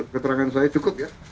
keterangan saya cukup ya